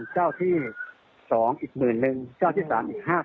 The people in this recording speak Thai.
เจ้าที่๒อีก๑๑๐๐๐เจ้าที่๓อีก๕๐๐๐